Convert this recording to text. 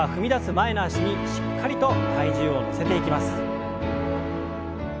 前の脚にしっかりと体重を乗せていきます。